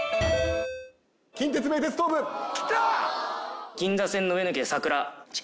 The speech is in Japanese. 近鉄・名鉄・東武。来た！